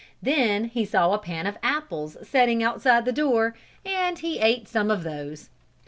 Then he saw a pan of apples setting outside the door and he ate some of those.